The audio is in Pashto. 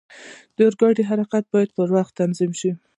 د اورګاډي حرکت باید په وخت تنظیم شي.